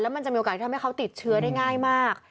มันจะมีโอกาสทำให้เขาติดเชื้อได้ง่ายมาก